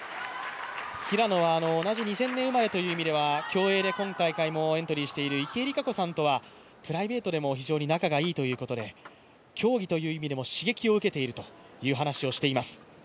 平野は同じ２０００年生まれという意味では競泳で今大会もエントリーしている池江璃花子さんとはプライベートでも非常に仲が良いということで、競技という意味でも刺激を受けているという話をしています。